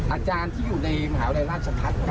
อาจารย์ที่อยู่ในมหาวิทยาลัยราชพัฒน์